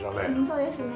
そうですね。